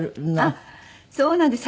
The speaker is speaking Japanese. あっそうなんです。